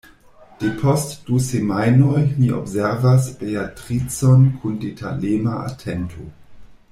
Depost du semajnoj mi observas Beatricon kun detalema atento.